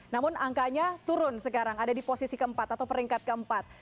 namun angkanya turun sekarang ada di posisi keempat atau peringkat keempat